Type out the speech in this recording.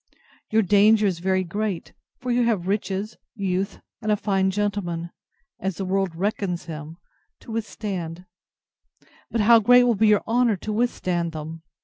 Your danger is very great; for you have riches, youth, and a fine gentleman, as the world reckons him, to withstand; but how great will be your honour to withstand them!